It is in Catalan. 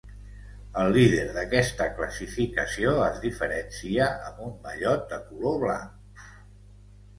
El líder d'aquesta classificació es diferencia amb un mallot de color blanc.